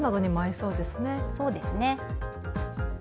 そうですね。